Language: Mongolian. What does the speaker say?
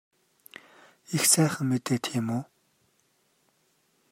Их сайхан мэдээ тийм үү?